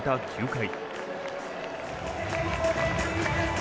９回。